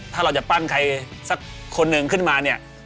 ถ้าเราจะปั้นใครสักคนหนึ่งขึ้นมาเนี่ย